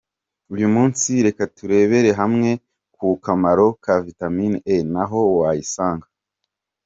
Uyu munsi reka turebere hamwe ku kamaro ka vitamine E n’aho wayisanga.